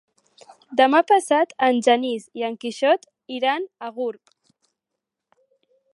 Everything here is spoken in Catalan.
Demà passat en Genís i en Quixot iran a Gurb.